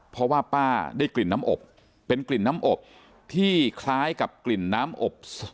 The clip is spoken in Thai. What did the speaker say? เพราะว่าป้าได้กลิ่นน้ำอบเป็นกลิ่นน้ำอบที่คล้ายกับกลิ่นน้ำอบ